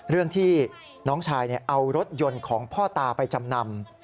เรื่องที่น้องชายเอารถยนต์ของพ่อตาไปจำนำ